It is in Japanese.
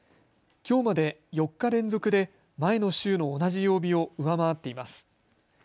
きょうまで４日連続で前の週の同じ曜日を上回っています。